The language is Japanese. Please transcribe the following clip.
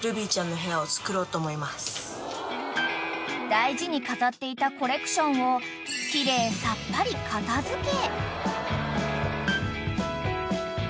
［大事に飾っていたコレクションを奇麗さっぱり片付け］